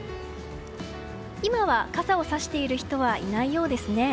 今は傘をさしている人はいないようですね。